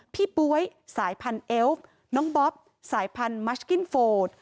ป๊วยสายพันธุ์เอฟน้องบ๊อบสายพันธุ์มัชกิ้นโฟด